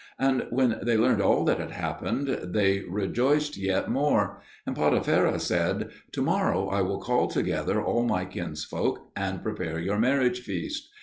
And when they learnt all that had happened, they rejoiced yet more; and Potipherah said, "To morrow I will call together all my kinsfolk and prepare your marriage feast."